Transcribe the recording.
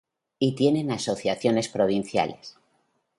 Y tiene asociaciones provinciales.